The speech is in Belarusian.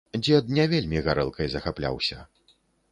Дзед не вельмі гарэлкай захапляўся.